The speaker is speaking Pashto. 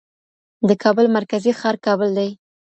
د کابل مرکزي ښار کابل دی.